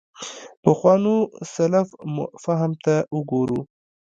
پخوانو سلف فهم ته وګورو.